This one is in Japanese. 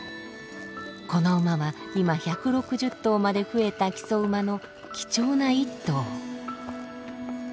この馬は今１６０頭まで増えた木曽馬の貴重な一頭。